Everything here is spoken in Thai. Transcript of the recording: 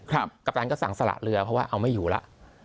กัปตันก็สั่งสละเรือเพราะว่าเอาไม่อยู่แล้ว